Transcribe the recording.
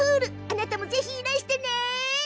あなたも、ぜひいらしてね！